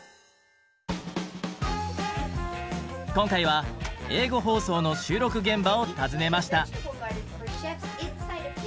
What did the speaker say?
今回は英語放送の収録現場を訪ねました。